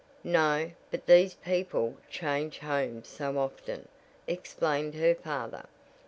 "No, but these people change homes so often," explained her father.